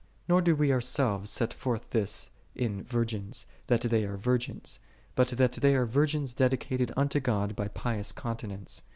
11. Nor do we ourselves set forth this in virgins, that they are virgins; but that they are virgins dedicated unto God by pious con tinence.